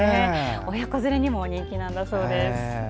親子連れにも人気なんだそうです。